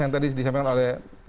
yang tadi disampaikan oleh